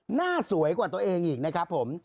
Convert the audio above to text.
หน้าสวยกว่าตัวเองอีกนะครับผม